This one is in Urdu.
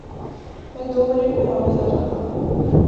میں دو منٹ میں واپس آ جاؤں گا